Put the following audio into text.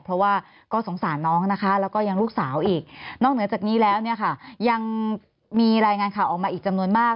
เพราะว่าก็สงสารน้องนะคะแล้วก็ยังลูกสาวอีกนอกเหนือจากนี้แล้วเนี่ยค่ะยังมีรายงานข่าวออกมาอีกจำนวนมาก